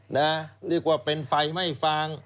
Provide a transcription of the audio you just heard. เรียกว่าเป็นไฟไม่ฟาง